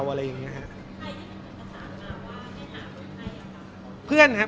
สวัสดีครับ